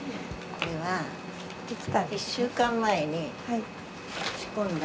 これは１週間前に仕込んだ。